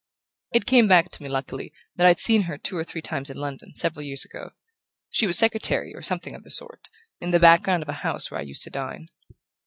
"It came back to me, luckily, that I'd seen her two or three times in London, several years ago. She was secretary, or something of the sort, in the background of a house where I used to dine."